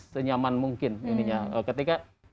senyaman mungkin ini nya ketika